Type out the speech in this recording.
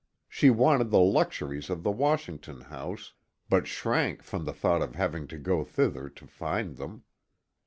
She wanted the luxuries of the Washington house, but shrank from the thought of having to go thither to find them.